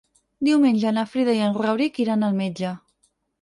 Diumenge na Frida i en Rauric iran al metge.